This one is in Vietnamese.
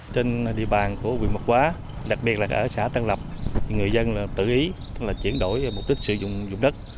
trên địa bàn của huyện mộc hóa đặc biệt là ở xã tân lập người dân tự ý tức là chuyển đổi mục đích sử dụng dụng đất